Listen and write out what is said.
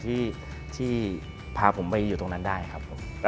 ที่พาผมไปอยู่ตรงนั้นได้ครับผม